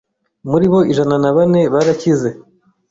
muri bo ijana nabane barakize,